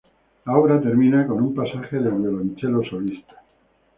La obra termina con un pasaje de violonchelo solista.